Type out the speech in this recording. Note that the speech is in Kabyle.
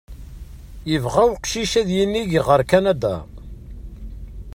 Yebɣa uqcic ad yinig ɣer Kanada.